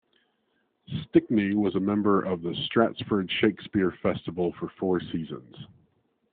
Stickney was a member of the Stratford Shakespeare Festival for four seasons.